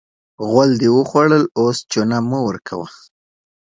غول دې وخوړل؛ اوس چونه مه ورکوه.